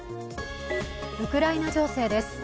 ウクライナ情勢です。